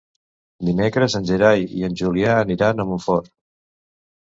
Dimecres en Gerai i en Julià aniran a Montfort.